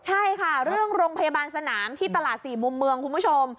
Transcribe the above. ใช่ค่ะเรื่องโรงพยาบาลสนามที่ตลาด๔มุมเมืองคุณผู้ชม